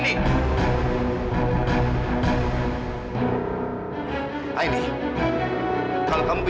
aini kalau kamu ingin pergi untuk menjenguk amira